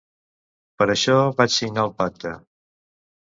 Per això vaig signar el pacte.